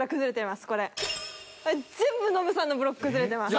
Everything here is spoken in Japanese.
全部ノブさんのブロック崩れてます。